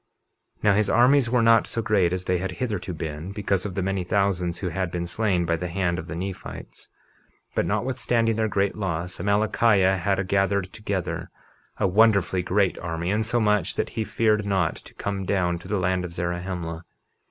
51:11 Now his armies were not so great as they had hitherto been, because of the many thousands who had been slain by the hand of the Nephites; but notwithstanding their great loss, Amalickiah had gathered together a wonderfully great army, insomuch that he feared not to come down to the land of Zarahemla.